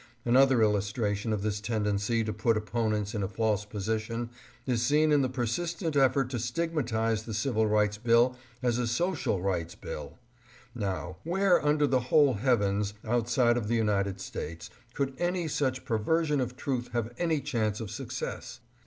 Another illustration of this tendency to put oppo nents in a false position, is seen in the persistent effort to stigmatize the Civil Rights Bill as a Social Rights Bill. Now, where under the whole heavens, outside of the United States, could any such perversion of truth have any chance of success?